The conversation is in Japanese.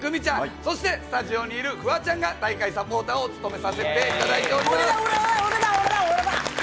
そしてスタジオにいるフワちゃんが大会サポーターを務めさせていただいております。